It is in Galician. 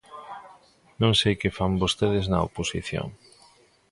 Non sei que fan vostedes na oposición.